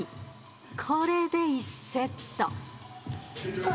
これで１セット。